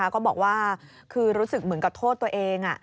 ก็บอกว่าคือรู้สึกเหมือนกับโทษตัวเอง